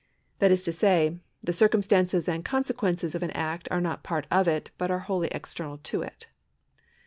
That is to say, the circumstances and consequences of an act are not part of it, but are wholly external to it.